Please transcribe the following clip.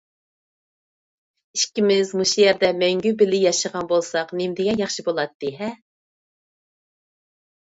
ئىككىمىز مۇشۇ يەردە مەڭگۈ بىللە ياشىغان بولساق نېمىدېگەن ياخشى بولاتتى-ھە!